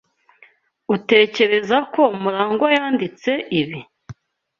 Utekereza ko Murangwa yanditse ibi?